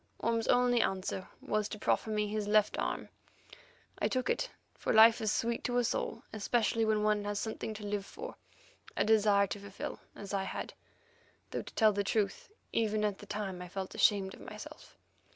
Orme's only answer was to proffer me his left arm. I took it, for life is sweet to us all, especially when one has something to live for—a desire to fulfil as I had, though to tell the truth, even at the time I felt ashamed of myself.